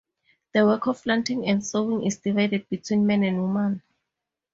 The work of planting and sowing is divided between men and women.